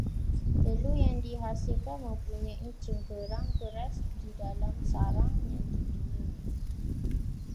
Telur yang dihasilkan mempunyai cangkerang keras di dalam sarang yang dibinanya